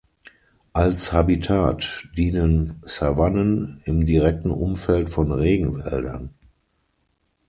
Als Habitat dienen Savannen im direkten Umfeld von Regenwäldern.